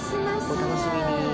お楽しみに。